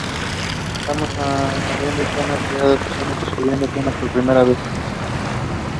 His group gave many battles against Bulgarian komitadjis.